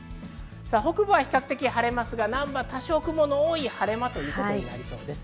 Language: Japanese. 北部は晴れますが南部は多少、雲の多い晴れ間となりそうです。